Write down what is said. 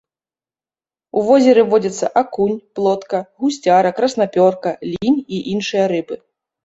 У возеры водзяцца акунь, плотка, гусцяра, краснапёрка, лінь і іншыя рыбы.